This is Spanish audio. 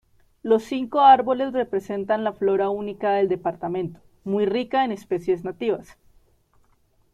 Los cinco árboles representan la flora única del Departamento, muy rica en especies nativas.